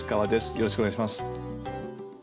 よろしくお願いします。